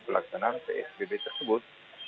pelaksanaan psbb tersebut